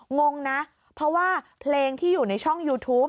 งงนะเพราะว่าเพลงที่อยู่ในช่องยูทูป